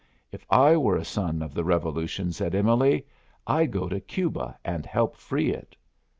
"If I were a Son of the Revolution," said Emily, "I'd go to Cuba and help free it."